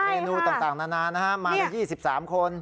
เอนูต่างนานนะฮะมาละ๒๓คน